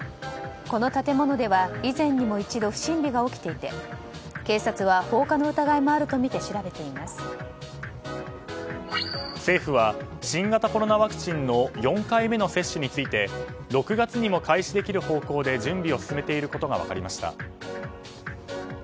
この建物では以前にも一度不審火が起きていて警察は放火の疑いもあるとみて政府は新型コロナワクチンの４回目の接種について６月にも開始できる方向で準備を進めていることが分かりました。